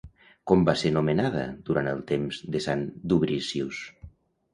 Com va ser nomenada durant els temps de sant Dubricius?